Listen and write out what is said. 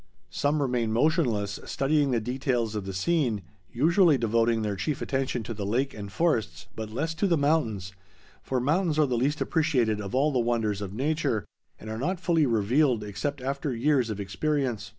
Some remain motionless studying the details of the scene, usually devoting their chief attention to the lake and forests, but less to the mountains, for mountains are the least appreciated of all the wonders of nature, and are not fully revealed except after years of experience.